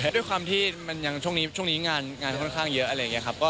ด้วยความที่มันยังช่วงนี้งานค่อนข้างเยอะอะไรอย่างนี้ครับ